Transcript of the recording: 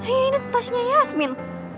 ini tasnya yasmin